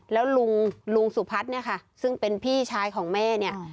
แล้วลุงลุงสุพัฒน์เนี่ยค่ะซึ่งเป็นพี่ชายของแม่เนี่ย